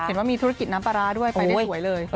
เห็นว่ามีธุรกิจน้ำปลาร้าด้วยไปได้สวยเลย